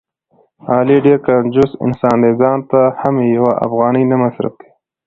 علي ډېر کنجوس انسان دی.ځانته هم یوه افغانۍ نه مصرف کوي.